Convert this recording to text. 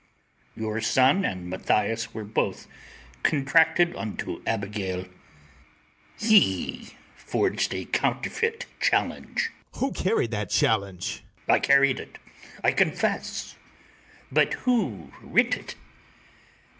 Your son and Mathias were both contracted unto Abigail: [he] forged a counterfeit challenge. BARABAS. Who carried that challenge? ITHAMORE. I carried it, I confess; but who writ it?